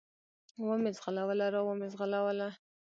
و مې زغلوله، را ومې زغلوله.